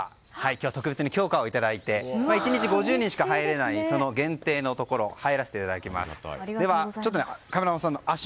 今日は特別に許可をいただいて１日５０人しか入れない限定のところ入らせていただきます。